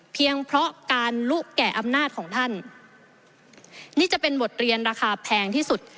เพราะการลุแก่อำนาจของท่านนี่จะเป็นบทเรียนราคาแพงที่สุด